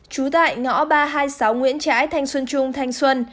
trú tại ngõ ba trăm hai mươi sáu nguyễn trãi thanh xuân trung thanh xuân